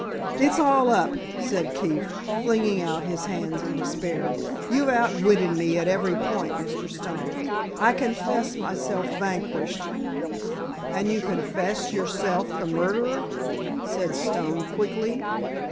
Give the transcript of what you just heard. "It's all up," said Keefe, flinging out his hands in despair. "You've outwitted me at every point, Mr. Stone. I confess myself vanquished——" "And you confess yourself the murderer?" said Stone, quickly.